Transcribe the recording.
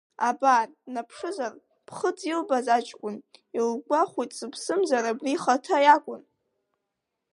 Абар, днаԥшызар, ԥхыӡ илбаз аҷкәын, илгәахәит, сыԥсымзар, абри ихаҭа иакәын.